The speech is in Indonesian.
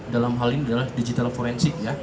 dalam hal ini adalah digital forensik ya